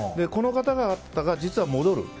この方々が実は戻る。